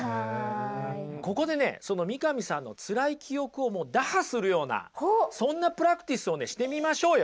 ここでねその三上さんのつらい記憶をもう打破するようなそんなプラクティスをねしてみましょうよ。